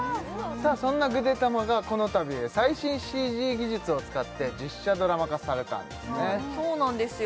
そんなぐでたまがこの度最新ＣＧ技術を使って実写ドラマ化されたんですねそうなんですよ